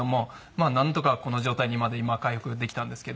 まあなんとかこの状態にまで今は回復できたんですけど。